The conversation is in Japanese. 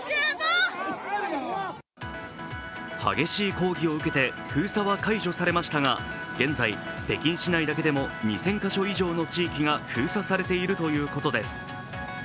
激しい抗議を受けて封鎖は解除されましたが現在、北京市内だけでも２０００か所以上の地域が封鎖されているということです。